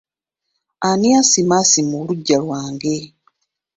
Ani asimaasima oluggya lwange?